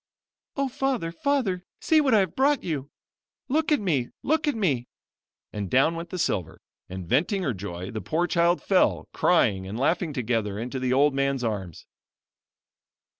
"O Father! Father! see what I have brought you! Look at me! Look at me" and down went the silver, and venting her joy, the poor child fell; crying and laughing together, into the old man's arms.